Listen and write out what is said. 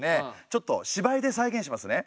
ちょっと芝居で再現しますね。